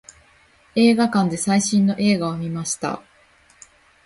映画館で最新の映画を見ました。